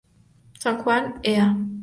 San Juan, Ea.